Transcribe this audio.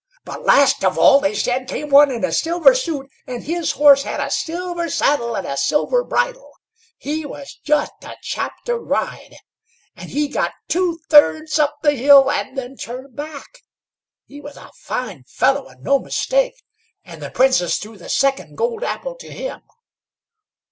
"But, last of all," they said, "came one in a silver suit, and his horse had a silver saddle and a silver bridle. He was just a chap to ride; and he got two thirds up the hill, and then turned back. He was a fine fellow, and no mistake; and the Princess threw the second gold apple to him."